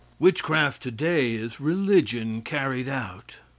Witchcraft today is religion carried out.